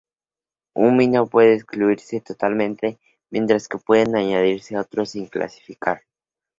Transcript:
Un vino puede excluirse totalmente, mientras que pueden añadirse otros sin clasificar.